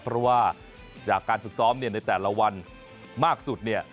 เพราะว่าการฝึกซ้อมในแต่ละวันมากสุด